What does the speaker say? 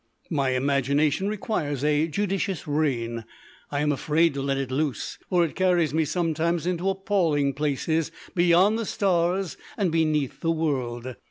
My imagination requires a judicious rein; I am afraid to let it loose, for it carries me sometimes into appalling places beyond the stars and beneath the world.